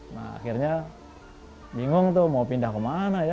nah akhirnya bingung tuh mau pindah kemana ya